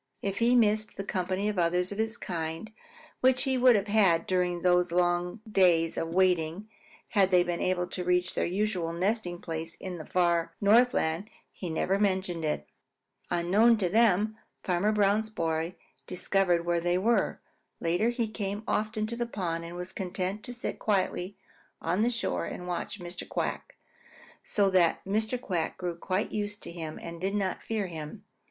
If he missed the company of others of his kind which he would have had during these long days of waiting had they been able to reach their usual nesting place in the far Northland, he never mentioned it. Unknown to them, Farmer Brown's boy discovered where they were. Later he came often to the pond and was content to sit quietly on the shore and watch Mr. Quack, so that Mr. Quack grew quite used to him and did not fear him at all.